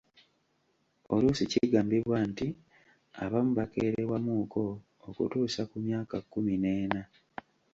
Oluusi kigambibwa nti abamu bakeerewamuuko okutuusa ku myaka kkumi n'ena.